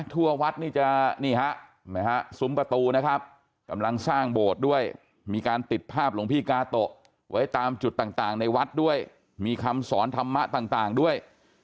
ทั่ววัดนี่จะนี่ฮะซุ้มประตูนะครับกำลังสร้างโบสถ์ด้วยมีการติดภาพหลวงพี่กาโตะไว้ตามจุดต่างในวัดด้วยมีคำสอนธรรมะต่างด้วย